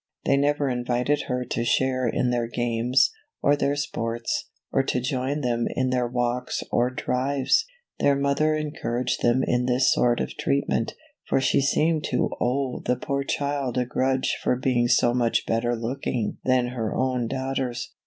They never invited her to share in their games, or their sports, or to join them in their walks or drives. Their mother encouraged them in this sort of treatment, for she seemed to owe the poor child a grudge for being so much better looking than her own daughters.